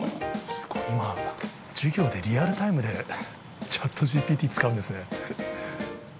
すごい、今、授業でリアルタイムでチャットＧＰＴ使うんですね。